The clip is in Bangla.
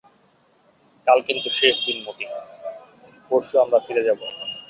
কাল কিন্তু শেষ দিন মতি, পরশু আমরা ফিরে যাব।